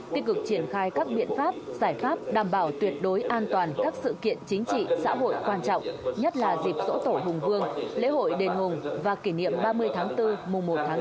tích cực triển khai các biện pháp giải pháp đảm bảo tuyệt đối an toàn các sự kiện chính trị xã hội quan trọng nhất là dịp dỗ tổ hùng vương lễ hội đền hùng và kỷ niệm ba mươi tháng bốn mùa một tháng bốn